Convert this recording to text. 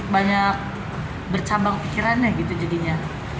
banyak bercambang pikirannya gitu jadinya